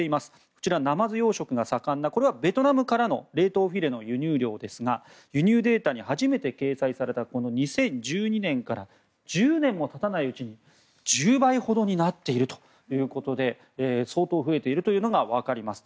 こちらナマズ養殖が盛んなこれはベトナムからの輸入の冷凍フィレの輸入量ですが輸入データに初めて掲載された２０１２年から１０年もたたないうちに１０倍ほどになっているということで相当増えているのがわかります。